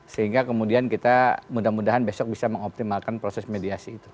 sehingga kemudian kita mudah mudahan besok bisa mengoptimalkan proses mediasi itu